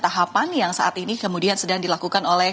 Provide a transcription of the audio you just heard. tahapan yang saat ini kemudian sedang dilakukan oleh